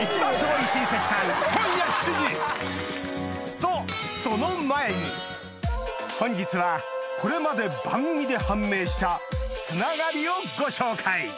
とその前に本日はこれまで番組で判明したつながりをご紹介